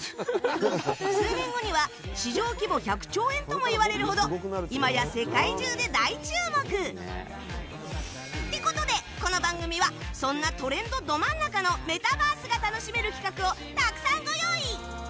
数年後には、市場規模１００兆円ともいわれるほどいまや世界中で大注目。ってことで、この番組はそんなトレンドど真ん中のメタバースが楽しめる企画をたくさんご用意。